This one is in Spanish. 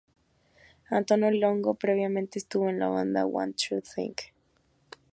Antonio Longo, previamente, estuvo en la banda "One True Thing".